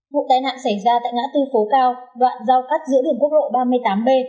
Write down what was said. vụ tai nạn xảy ra tại ngã tư phố cao đoạn giao cắt giữa đường quốc lộ ba mươi tám b